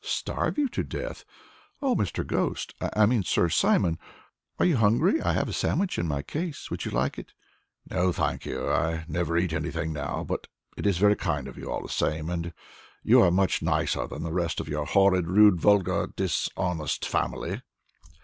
"Starve you to death? Oh, Mr. Ghost I mean Sir Simon, are you hungry? I have a sandwich in my case. Would you like it?" "No, thank you, I never eat anything now; but it is very kind of you, all the same, and you are much nicer than the rest of your horrid, rude, vulgar, dishonest family."